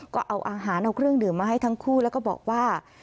ก็เอาอาหารเอาเครื่องดื่มมาให้ทั้งคู่แล้วก็บอกว่า